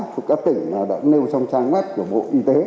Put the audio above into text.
của các tỉnh đã nêu trong trang web của bộ y tế